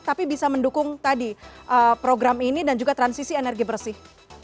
tapi bisa mendukung tadi program ini dan juga transisi energi bersih